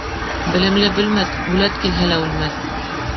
Белемле бөлмәҫ, үләт килһә лә үлмәҫ.